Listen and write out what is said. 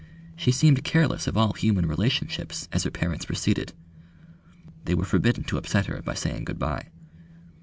She seemed careless of all human relationships as her parents receded. They were forbidden to upset her by saying good bye.